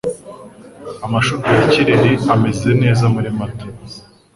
Amashurwe ya kireri ameze neza muri Mata.